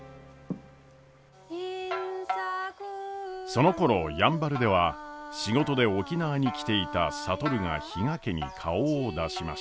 そのころやんばるでは仕事で沖縄に来ていた智が比嘉家に顔を出しました。